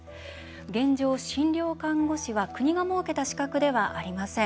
現状、診療看護師は国が設けた資格ではありません。